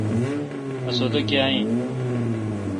اسودہ کیا این۔